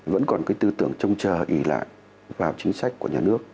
vẫn còn cái tư tưởng trông chờ ỉ lại vào chính sách của nhà nước